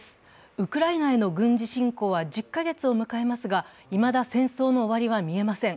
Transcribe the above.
ウクライナへの軍事侵攻は１０か月を迎えますがいまだ戦争の終わりは見えません。